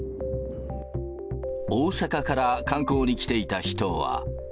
大阪から観光に来ていた人は。